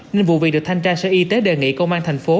nên vụ việc được thanh tra sở y tế đề nghị công an thành phố